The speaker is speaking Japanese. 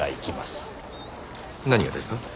何がですか？